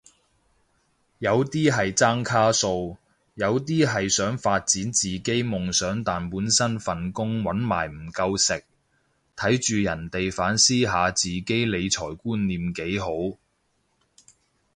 有啲係爭卡數，有啲係想發展自己夢想但本身份工搵埋唔夠食，睇住人哋反思下自己理財觀念幾好